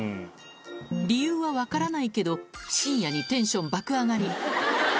理由は分からないけど、深夜にテンション爆上がり。